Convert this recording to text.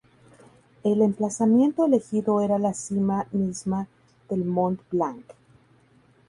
El emplazamiento elegido era la cima misma del Mont Blanc.